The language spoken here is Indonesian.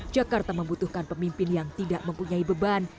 jakarta membutuhkan pemimpin yang tidak mempunyai beban